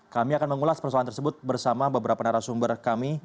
kami akan mengulas persoalan tersebut bersama beberapa narasumber kami